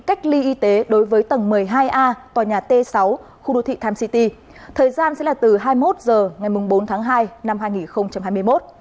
cách ly y tế đối với tầng một mươi hai a tòa nhà t sáu khu đô thị tham city thời gian sẽ là từ hai mươi một h ngày bốn tháng hai năm hai nghìn hai mươi một